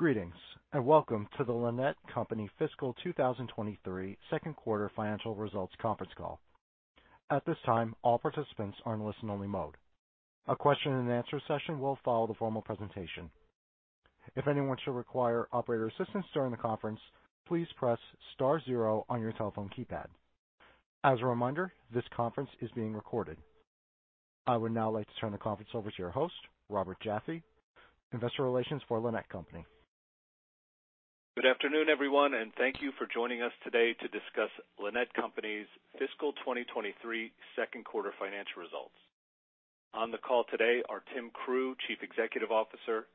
Greetings and welcome to the Lannett Company Fiscal Year 2023 Second Quarter Financial Results Conference Call. At this time, all participants are in listen-only mode. A question-and-answer session will follow the formal presentation. If anyone should require operator assistance during the conference, please press star zero on your telephone keypad. As a reminder, this conference is being recorded. I would now like to turn the conference over to your host, Robert Jaffe, Investor Relations for Lannett Company. Good afternoon, everyone, and thank you for joining us today to discuss Lannett Company's fiscal year 2023 second quarter financial results. On the call today are Tim Crew, Chief Executive Officer,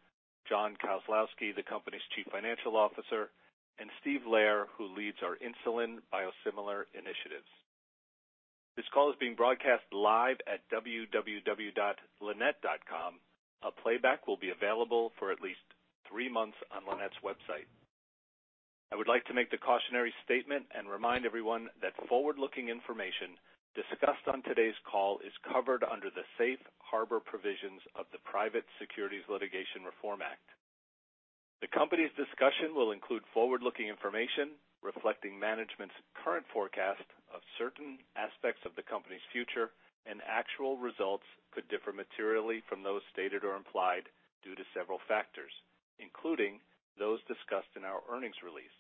John Kozlowski, the company's Chief Financial Officer, and Steve Lehrer, who leads our insulin biosimilar initiatives. This call is being broadcast live at www.lannett.com. A playback will be available for at least three months on Lannett's website. I would like to make the cautionary statement and remind everyone that forward-looking information discussed on today's call is covered under the Safe Harbor provisions of the Private Securities Litigation Reform Act. The company's discussion will include forward-looking information reflecting management's current forecast of certain aspects of the company's future, actual results could differ materially from those stated or implied due to several factors, including those discussed in our earnings release.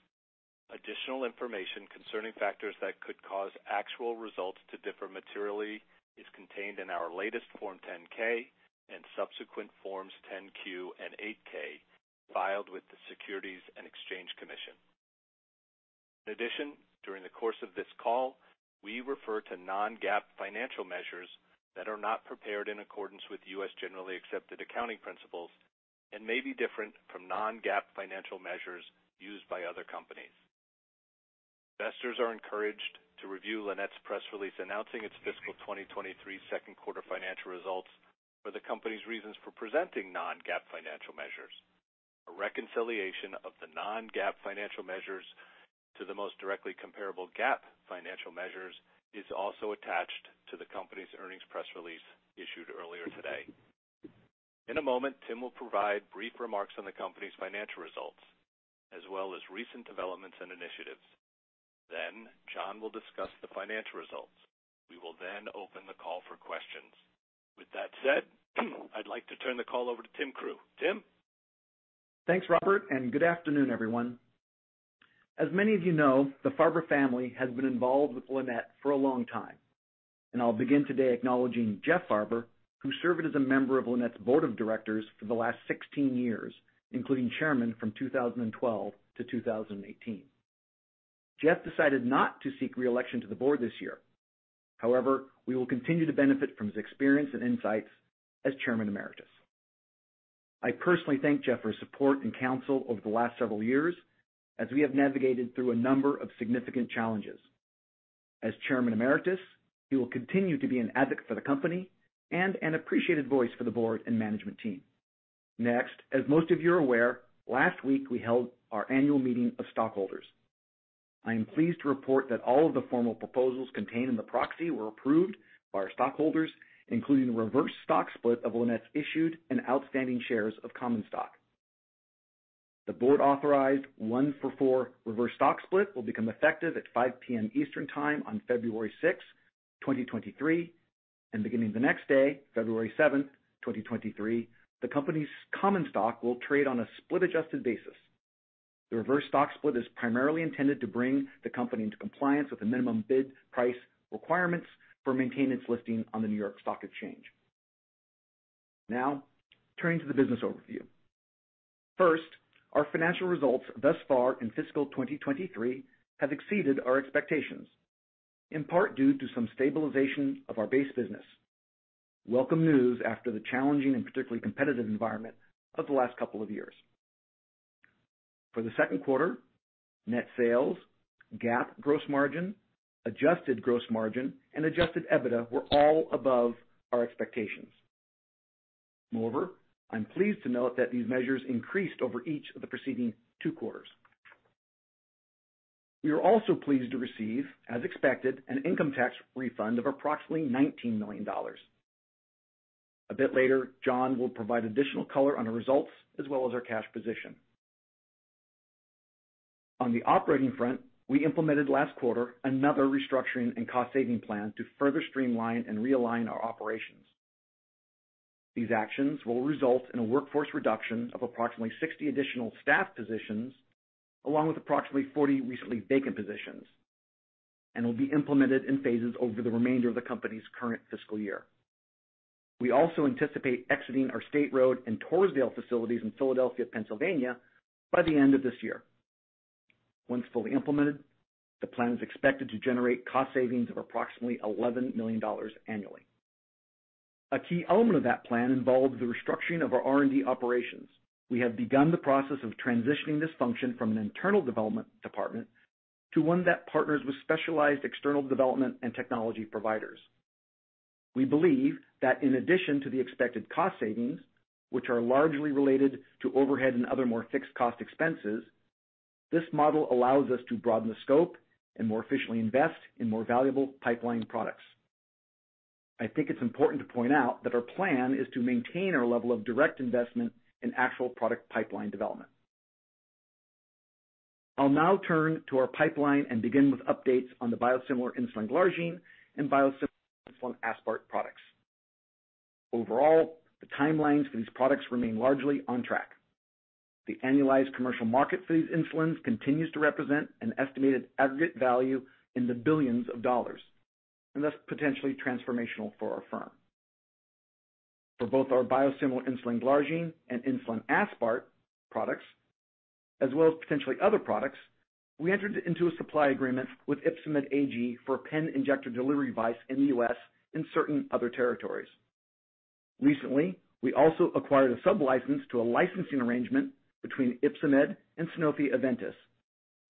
Additional information concerning factors that could cause actual results to differ materially is contained in our latest Form 10-K and subsequent Forms 10-Q and 8-K filed with the Securities and Exchange Commission. During the course of this call, we refer to non-GAAP financial measures that are not prepared in accordance with U.S. generally accepted accounting principles and may be different from non-GAAP financial measures used by other companies. Investors are encouraged to review Lannett's press release announcing its fiscal year 2023 second quarter financial results for the company's reasons for presenting non-GAAP financial measures. A reconciliation of the non-GAAP financial measures to the most directly comparable GAAP financial measures is also attached to the company's earnings press release issued earlier today. In a moment, Tim will provide brief remarks on the company's financial results as well as recent developments and initiatives. John will discuss the financial results. We will then open the call for questions. With that said, I'd like to turn the call over to Tim Crew. Tim. Thanks, Robert, and good afternoon, everyone. As many of you know, the Farber family has been involved with Lannett for a long time. I'll begin today acknowledging Jeff Farber, who served as a member of Lannett's Board of Directors for the last 16 years, including Chairman from 2012 to 2018. Jeff decided not to seek re-election to the Board this year. However, we will continue to benefit from his experience and insights as Chairman Emeritus. I personally thank Jeff for his support and counsel over the last several years as we have navigated through a number of significant challenges. As Chairman Emeritus, he will continue to be an advocate for the company and an appreciated voice for the Board and management team. Next, as most of you are aware, last week we held our annual meeting of stockholders. I am pleased to report that all of the formal proposals contained in the proxy were approved by our stockholders, including the Reverse Stock Split of Lannett's issued and outstanding shares of common stock. The Board-authorized 1-for-4 Reverse Stock Split will become effective at 5:00 P.M. Eastern Time on February 6, 2023. Beginning the next day, February 7, 2023, the company's common stock will trade on a split-adjusted basis. The Reverse Stock Split is primarily intended to bring the company into compliance with the minimum bid price requirements for maintain its listing on the New York Stock Exchange. Turning to the business overview. First, our financial results thus far in fiscal year 2023 have exceeded our expectations, in part due to some stabilization of our base business. Welcome news after the challenging and particularly competitive environment of the last couple of years. For the second quarter, net sales, GAAP gross margin, adjusted gross margin, and adjusted EBITDA were all above our expectations. Moreover, I'm pleased to note that these measures increased over each of the preceding two quarters. We are also pleased to receive, as expected, an income tax refund of approximately $19 million. A bit later, John will provide additional color on the results as well as our cash position. On the operating front, we implemented last quarter another restructuring and cost-saving plan to further streamline and realign our operations. These actions will result in a workforce reduction of approximately 60 additional staff positions, along with approximately 40 recently vacant positions, and will be implemented in phases over the remainder of the company's current fiscal year. We also anticipate exiting our State Road and Torresdale facilities in Philadelphia, Pennsylvania, by the end of this year. Once fully implemented, the plan is expected to generate cost savings of approximately $11 million annually. A key element of that plan involves the restructuring of our R&D operations. We have begun the process of transitioning this function from an internal development department to one that partners with specialized external development and technology providers. We believe that in addition to the expected cost savings, which are largely related to overhead and other more fixed cost expenses, this model allows us to broaden the scope and more efficiently invest in more valuable pipeline products. I think it's important to point out that our plan is to maintain our level of direct investment in actual product pipeline development. I'll now turn to our pipeline and begin with updates on the biosimilar insulin glargine and biosimilar insulin aspart products. Overall, the timelines for these products remain largely on track. The annualized commercial market for these insulins continues to represent an estimated aggregate value in the billions of dollars, and thus potentially transformational for our firm. For both our biosimilar insulin glargine and insulin aspart products, as well as potentially other products, we entered into a supply agreement with Ypsomed AG for a pen injector delivery device in the U.S. and certain other territories. Recently, we also acquired a sublicense to a licensing arrangement between Ypsomed and Sanofi-Aventis,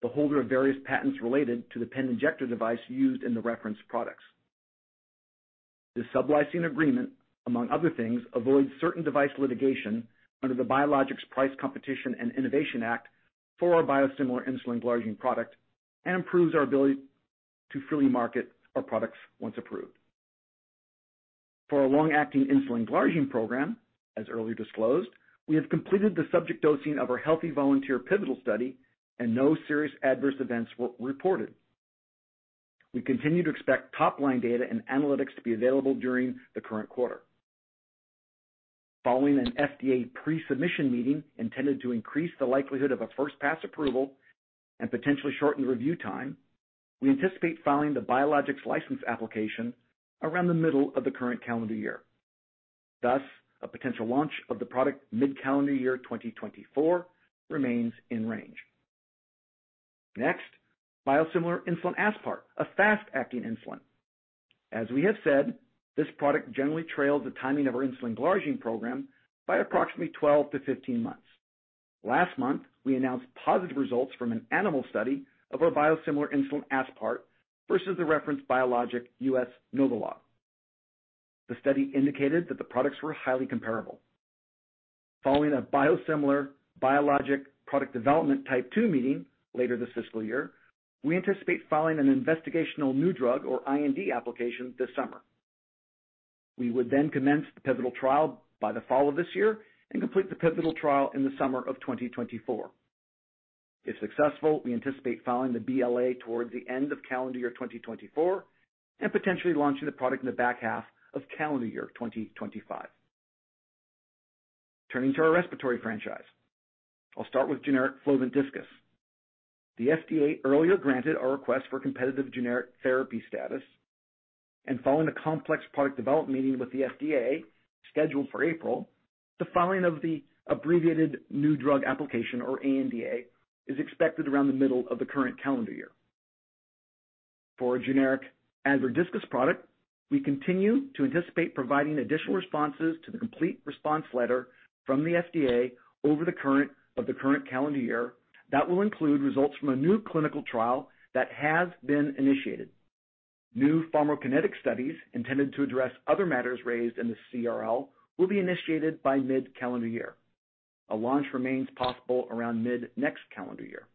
the holder of various patents related to the pen injector device used in the reference products. This sublicense agreement, among other things, avoids certain device litigation under the Biologics Price Competition and Innovation Act for our biosimilar insulin glargine product and improves our ability to freely market our products once approved. For our long-acting insulin glargine program, as earlier disclosed, we have completed the subject dosing of our healthy volunteer pivotal study and no serious adverse events were reported. We continue to expect top-line data and analytics to be available during the current quarter. Following an FDA pre-submission meeting intended to increase the likelihood of a first-pass approval and potentially shorten review time, we anticipate filing the Biologics License Application around the middle of the current calendar year. Thus, a potential launch of the product mid-calendar year 2024 remains in range. Next, biosimilar insulin aspart, a fast-acting insulin. As we have said, this product generally trails the timing of our insulin glargine program by approximately 12 to 15 months. Last month, we announced positive results from an animal study of our biosimilar insulin aspart versus the reference biologic U.S. NovoLog. The study indicated that the products were highly comparable. Following a Biosimilar Biological Product Development Type II meeting later this fiscal year, we anticipate filing an Investigational New Drug or IND application this summer. We would commence the pivotal trial by the fall of this year and complete the pivotal trial in the summer of 2024. If successful, we anticipate filing the BLA towards the end of calendar year 2024 and potentially launching the product in the back half of calendar year 2025. Turning to our respiratory franchise. I'll start with generic Flovent Diskus. The FDA earlier granted our request for Competitive Generic Therapy status and following a complex product development meeting with the FDA scheduled for April, the filing of the Abbreviated New Drug Application, or ANDA, is expected around the middle of the current calendar year. For a generic Advair Diskus product, we continue to anticipate providing additional responses to the Complete Response Letter from the FDA over of the current calendar year that will include results from a new clinical trial that has been initiated. New pharmacokinetic studies intended to address other matters raised in the CRL will be initiated by mid-calendar year. A launch remains possible around mid next calendar year.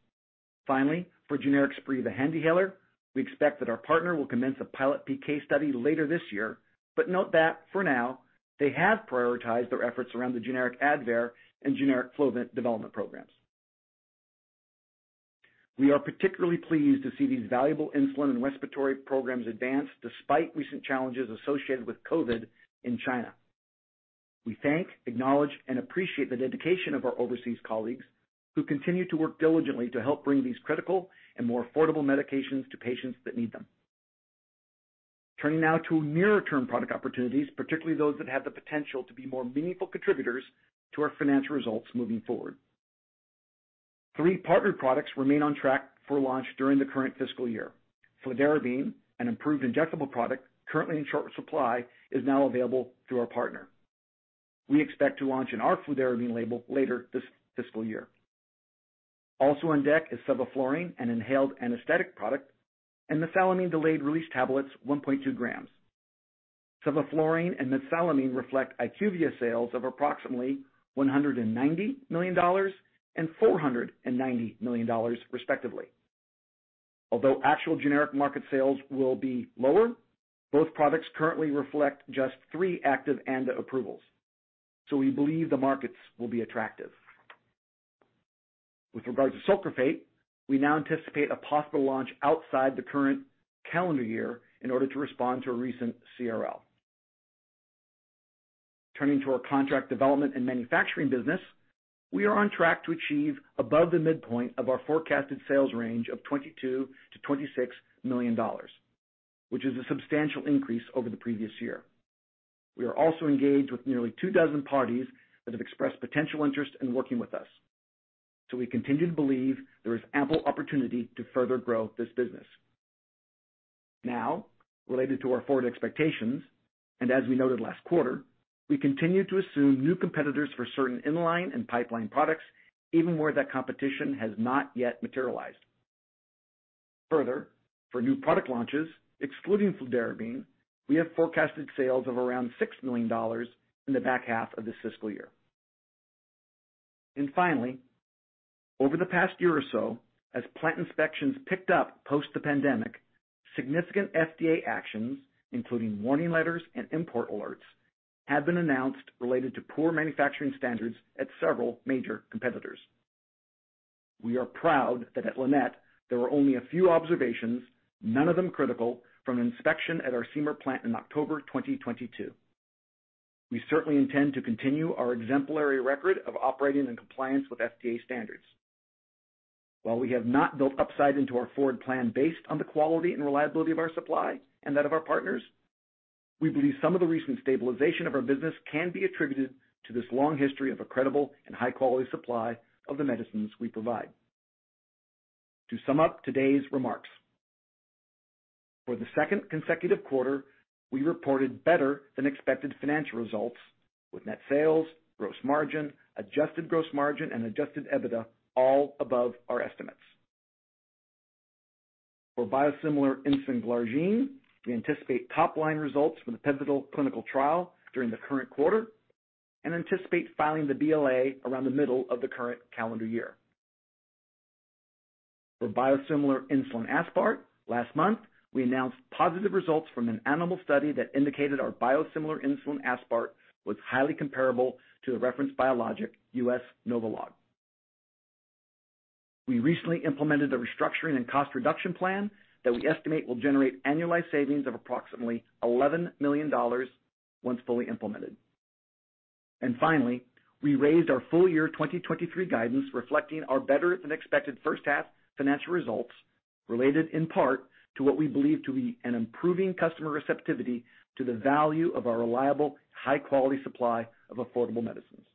Finally, for generic Spiriva HandiHaler, we expect that our partner will commence a pilot PK study later this year. Note that for now, they have prioritized their efforts around the generic Advair and generic Flovent development programs. We are particularly pleased to see these valuable insulin and respiratory programs advance despite recent challenges associated with COVID in China. We thank, acknowledge, and appreciate the dedication of our overseas colleagues who continue to work diligently to help bring these critical and more affordable medications to patients that need them. Turning now to nearer-term product opportunities, particularly those that have the potential to be more meaningful contributors to our financial results moving forward. Three partnered products remain on track for launch during the current fiscal year. Fludarabine, an improved injectable product currently in short supply, is now available through our partner. We expect to launch in our Fludarabine label later this fiscal year. Also in deck is sevoflurane an inhaled anesthetic product, and mesalamine delayed release tablets 1.2 g. Sevoflurane and mesalamine reflect IQVIA sales of approximately $190 million and $490 million, respectively. Actual generic market sales will be lower, both products currently reflect just three active ANDA approvals. We believe the markets will be attractive. With regard to sucralfate, we now anticipate a possible launch outside the current calendar year in order to respond to a recent CRL. Turning to our contract development and manufacturing business. We are on track to achieve above the midpoint of our forecasted sales range of $22 million-$26 million, which is a substantial increase over the previous year. We are also engaged with nearly two dozen parties that have expressed potential interest in working with us. We continue to believe there is ample opportunity to further grow this business. Related to our forward expectations, as we noted last quarter, we continue to assume new competitors for certain inline and pipeline products, even where that competition has not yet materialized. Further, for new product launches, excluding Fludarabine Phosphate Injection, we have forecasted sales of around $6 million in the back half of this fiscal year. Finally, over the past year or so, as plant inspections picked up post the pandemic, significant FDA actions, including warning letters and import alerts, have been announced related to poor manufacturing standards at several major competitors. We are proud that at Lannett, there were only a few observations, none of them critical, from an inspection at our Seymour plant in October 2022. We certainly intend to continue our exemplary record of operating in compliance with FDA standards. While we have not built upside into our forward plan based on the quality and reliability of our supply and that of our partners, we believe some of the recent stabilization of our business can be attributed to this long history of a credible and high-quality supply of the medicines we provide. To sum up today's remarks, for the second consecutive quarter, we reported better-than-expected financial results with net sales, gross margin, adjusted gross margin, and adjusted EBITDA all above our estimates. For biosimilar insulin glargine, we anticipate top-line results from the pivotal clinical trial during the current quarter and anticipate filing the BLA around the middle of the current calendar year. For biosimilar insulin aspart, last month, we announced positive results from an animal study that indicated our biosimilar insulin aspart was highly comparable to the reference biologic U.S. NovoLog. We recently implemented a restructuring and cost reduction plan that we estimate will generate annualized savings of approximately $11 million once fully implemented. Finally, we raised our full year 2023 guidance reflecting our better-than-expected first half financial results, related in part to what we believe to be an improving customer receptivity to the value of our reliable, high-quality supply of affordable medicines.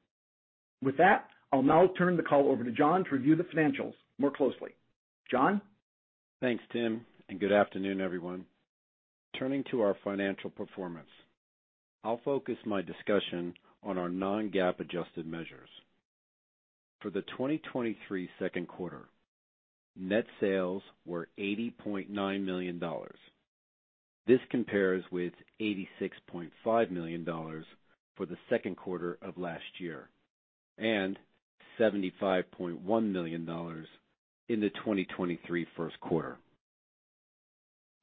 With that, I'll now turn the call over to John to review the financials more closely. John? Thanks, Tim, good afternoon, everyone. Turning to our financial performance, I'll focus my discussion on our non-GAAP adjusted measures. For the 2023 second quarter, net sales were $80.9 million. This compares with $86.5 million for the second quarter of last year and $75.1 million in the 2023 first quarter.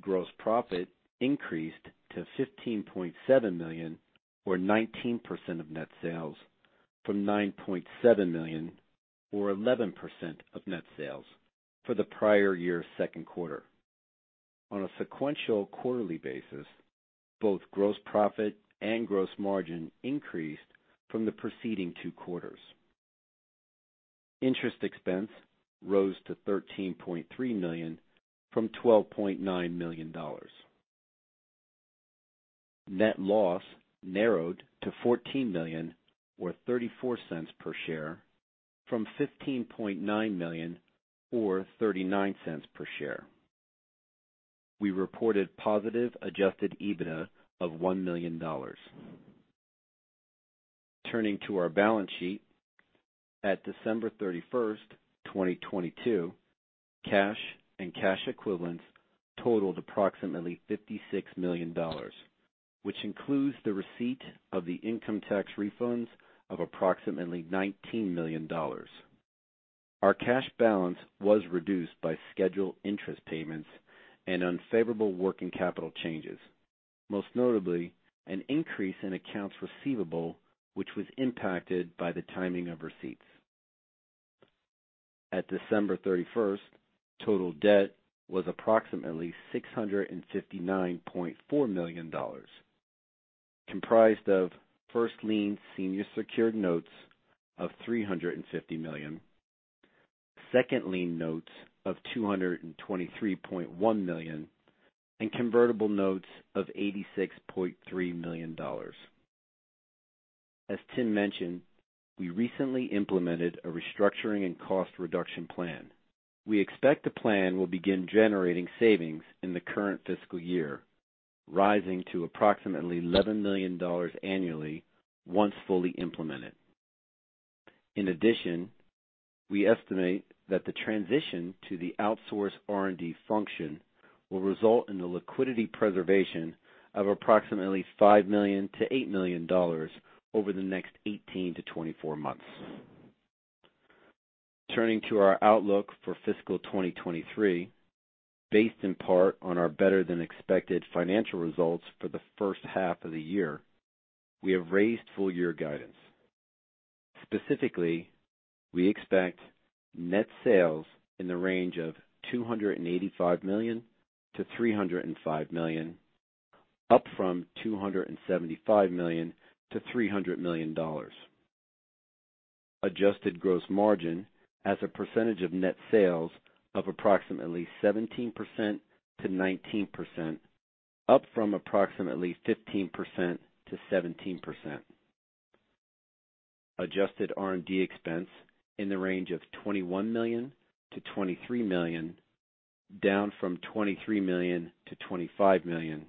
Gross profit increased to $15.7 million or 19% of net sales from $9.7 million or 11% of net sales for the prior year's second quarter. On a sequential quarterly basis, both gross profit and gross margin increased from the preceding two quarters. Interest expense rose to $13.3 million from $12.9 million. Net loss narrowed to $14 million or $0.34 per share from $15.9 million or $0.39 per share. We reported positive adjusted EBITDA of $1 million. Turning to our balance sheet, at December 31, 2022, cash and cash equivalents totaled approximately $56 million, which includes the receipt of the income tax refunds of approximately $19 million. Our cash balance was reduced by scheduled interest payments and unfavorable working capital changes, most notably an increase in accounts receivable, which was impacted by the timing of receipts. At December 31, total debt was approximately $659.4 million, comprised of first-lien senior secured notes of $350 million, second-lien notes of $223.1 million, and convertible notes of $86.3 million. As Tim mentioned, we recently implemented a restructuring and cost reduction plan. We expect the plan will begin generating savings in the current fiscal year, rising to approximately $11 million annually once fully implemented. In addition, we estimate that the transition to the outsourced R&D function will result in the liquidity preservation of approximately $5 million-$8 million over the next 18 to 24 months. Turning to our outlook for fiscal 2023, based in part on our better-than-expected financial results for the first half of the year, we have raised full year guidance. Specifically, we expect net sales in the range of $285 million-$305 million, up from $275 million-$300 million. Adjusted gross margin as a percentage of net sales of approximately 17%-19%, up from approximately 15%-17%. Adjusted R&D expense in the range of $21 million-$23 million, down from $23 million-$25 million.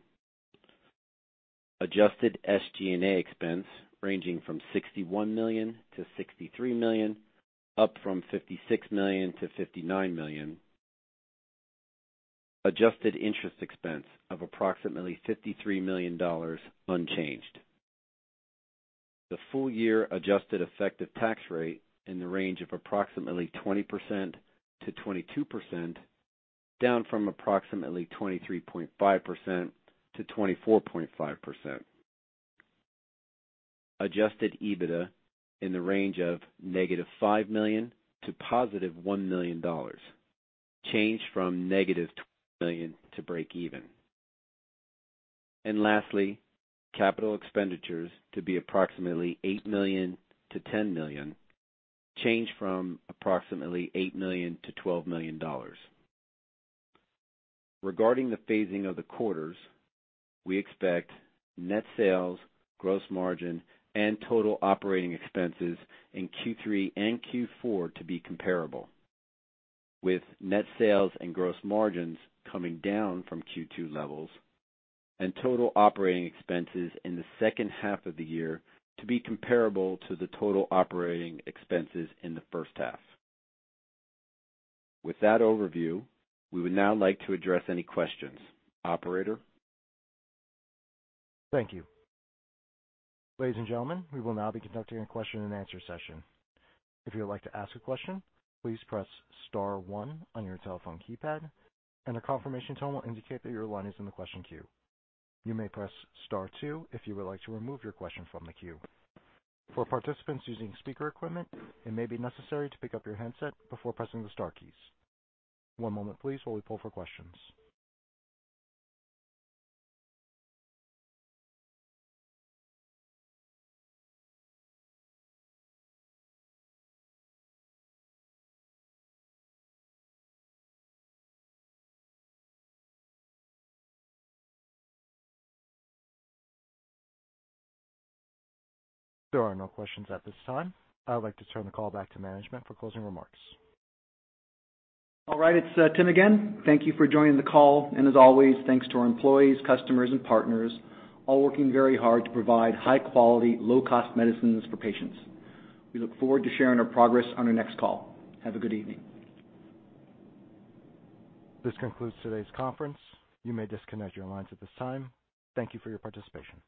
Adjusted SG&A expense ranging from $61 million-$63 million, up from $56 million-$59 million. Adjusted interest expense of approximately $53 million dollars unchanged. The full year adjusted effective tax rate in the range of approximately 20%-22%, down from approximately 23.5%-24.5%. Adjusted EBITDA in the range of $-5 million to $-1 million dollars, changed from $-2 million to break even. Lastly, capital expenditures to be approximately $8 million-$10 million, changed from approximately $8 million-$12 million dollars. Regarding the phasing of the quarters, we expect net sales, gross margin and total operating expenses in Q3 and Q4 to be comparable, with net sales and gross margins coming down from Q2 levels and total operating expenses in the second half of the year to be comparable to the total operating expenses in the first half. With that overview, we would now like to address any questions. Operator? Thank you. Ladies and gentlemen, we will now be conducting a question-and-answer session. If you would like to ask a question, please press star one on your telephone keypad and a confirmation tone will indicate that your line is in the question queue. You may press star two if you would like to remove your question from the queue. For participants using speaker equipment, it may be necessary to pick up your handset before pressing the star keys. One moment please while we poll for questions. There are no questions at this time. I would like to turn the call back to management for closing remarks. All right, it's Tim again. Thank you for joining the call, and as always, thanks to our employees, customers and partners, all working very hard to provide high quality, low cost medicines for patients. We look forward to sharing our progress on our next call. Have a good evening. This concludes today's conference. You may disconnect your lines at this time. Thank you for your participation.